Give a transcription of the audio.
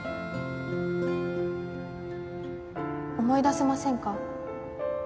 思い出せませんか？